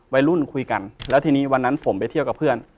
วัยรุ่นคุยกันแล้วทีนี้วันนั้นผมไปเที่ยวกับเพื่อน